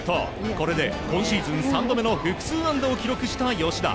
これで今シーズン３度目の複数安打を記録した吉田。